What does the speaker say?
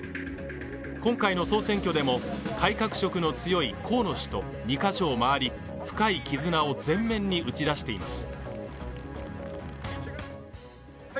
今回の総選挙でも改革色の強い河野氏と２カ所を回り深い絆を前面に打ち出しています。